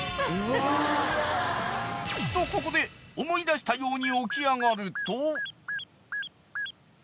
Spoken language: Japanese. ［とここで思い出したように起き上がると］